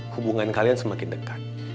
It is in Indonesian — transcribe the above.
hubungan kalian semakin dekat